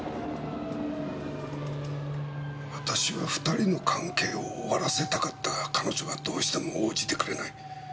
私は２人の関係を終わらせたかったが彼女がどうしても応じてくれない。